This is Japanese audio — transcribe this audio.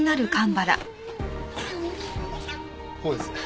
こうです。